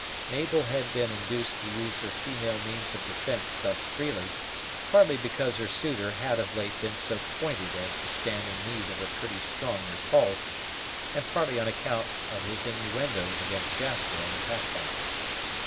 Mabel had been induced to use her female means of defence thus freely, partly because her suitor had of late been so pointed as to stand in need of a pretty strong repulse, and partly on account of his innuendoes against Jasper and the Pathfinder.